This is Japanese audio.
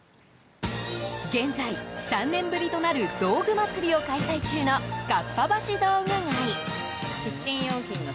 現在、３年ぶりとなる道具まつりを開催中のかっぱ橋道具街。